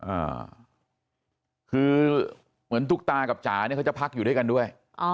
อ่าคือเหมือนตุ๊กตากับจ๋าเนี่ยเขาจะพักอยู่ด้วยกันด้วยอ๋อ